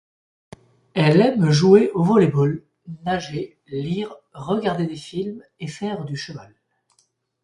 Elle aime jouer au volleyball, nager, lire, regarder des films et faire du cheval.